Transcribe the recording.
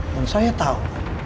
dan saya tahu